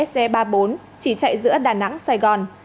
xe ba mươi bốn chỉ chạy giữa đà nẵng sài gòn